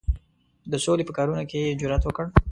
د سولي په کارونو کې یې جرأت وکړ.